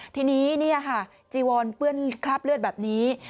ทีนี้เนี่ยค่ะจีวรเปื้อนคลาปเลือดแบบนี้